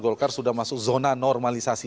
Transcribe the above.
golkar sudah masuk zona normalisasi